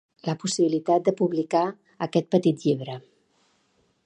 la possibilitat de publicar aquest petit llibre